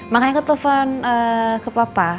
makanya ketelfon ke papa